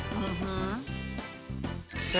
อื้อฮือ